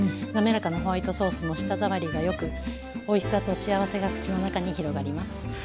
滑らかなホワイトソースも舌触りがよくおいしさと幸せが口の中に広がります。